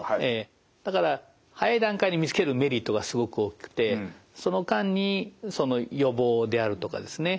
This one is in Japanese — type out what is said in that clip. だから早い段階で見つけるメリットがすごく大きくてその間に予防であるとかですね